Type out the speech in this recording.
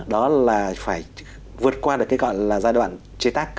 đó là phải vượt qua được cái gọi là giai đoạn chế tác